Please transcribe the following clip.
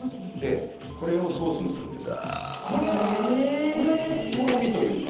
これをソースにするんです。